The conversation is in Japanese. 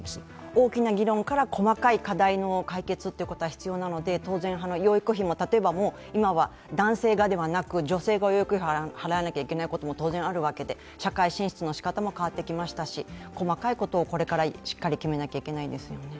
大きな議論から細かい課題の解決というのが必要なので当然、養育費も、例えば今は男性がではなく女性が養育費を払わなければならないことも当然あるので社会進出のしかたも変わってきましたし細かいことをこれからしっかり決めなきゃいけないですよね。